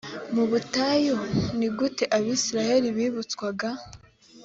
mu butayu ni gute abisirayeli bibutswaga